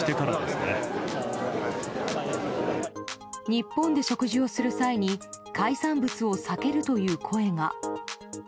日本で食事をする際に海産物を避けるという声が。